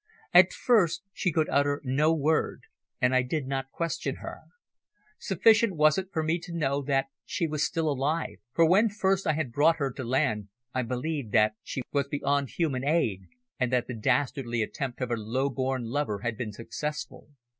At first she could utter no word, and I did not question her. Sufficient was it for me to know that she was still alive, for when first I had brought her to land I believed that she was beyond human aid, and that the dastardly attempt of her low born lover had been successful.